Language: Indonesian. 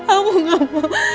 aku gak mau